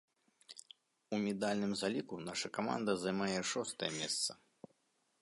У медальным заліку наша каманда займае шостае месца.